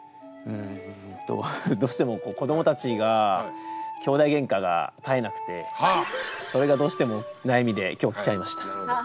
うんとどうしても子どもたちがきょうだいゲンカが絶えなくてそれがどうしても悩みで今日来ちゃいました。